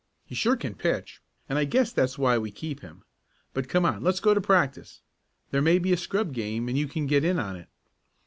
He sure can pitch, and I guess that's why we keep him. But come on, let's go to practice. There may be a scrub game and you can get in on it."